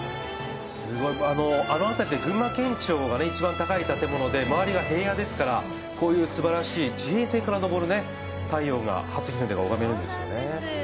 あの辺り群馬県庁が一番高い建物で周りが平野ですから、こういうすばらしい地平線から登る初日の出が拝めるんですよね。